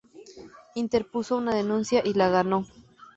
Interpuso una denuncia y la ganó.